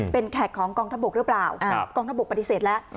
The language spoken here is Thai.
เป็นแขกของกองทัพบกหรือเปล่ากองทบกปฏิเสธแล้ว